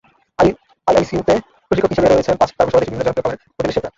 আইআইসিইতে প্রশিক্ষক হিসেবে রয়েছেন পাঁচ তারকাসহ দেশের বিভিন্ন জনপ্রিয় খাবারের হোটেলের শেফরা।